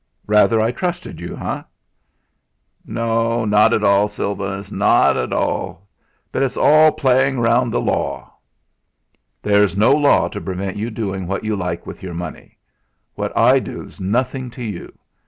"Rather I trusted you, eh!" "No, not at all, Sylvanus, not at all. But it's all playing round the law." "There's no law to prevent you doing what you like with your money. What I do's nothing to you.